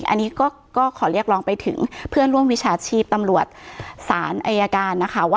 อันนี้ก็ขอเรียกร้องไปถึงเพื่อนร่วมวิชาชีพตำรวจศาลอายการนะคะ